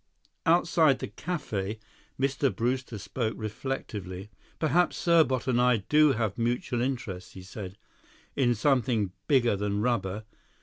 Outside the café, Mr. Brewster spoke reflectively. "Perhaps Serbot and I do have mutual interests," he said. "In something bigger than rubber.